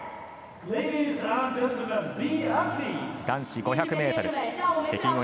男子５００ｍ北京